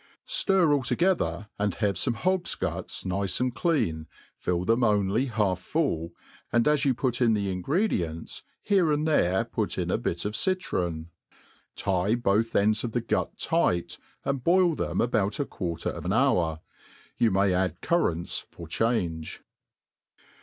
Stir all together, have fome hog's guts nice and clean, fifl them 6xAj half full, and as you put in the ingredients, here and there put in a bit of citron ; tie both ends of the gut tight, and boil them about a quarter of an hour. You may add currants for Change.